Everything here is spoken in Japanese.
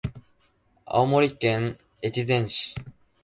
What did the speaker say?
青森県弘前市